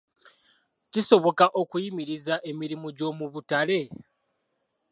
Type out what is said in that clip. Kisoboka okuyimiriza emirimu gy'omu butale?